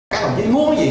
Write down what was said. kể cả nguồn lực